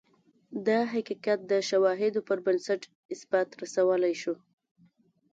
دا حقیقت د شواهدو پربنسټ اثبات رسولای شو.